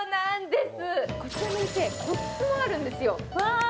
こちらの店個室もあるんですよわあ